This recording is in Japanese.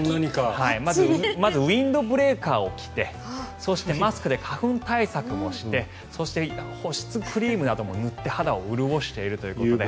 まず、ウィンドブレーカーを着てそしてマスクで花粉対策もしてそして、保湿クリームなども塗って肌を潤しているということで。